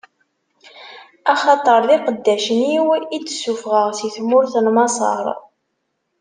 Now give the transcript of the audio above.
Axaṭer d iqeddacen-iw i d-ssufɣeɣ si tmurt n Maṣer.